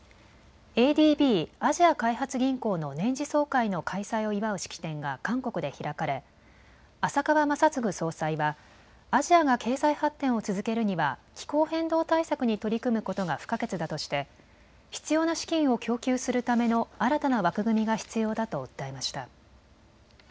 ＡＤＢ・アジア開発銀行の年次総会の開催を祝う式典が韓国で開かれ浅川雅嗣総裁はアジアが経済発展を続けるには気候変動対策に取り組むことが不可欠だとして必要な資金を供給するための新たな枠組みが必要だと訴えました。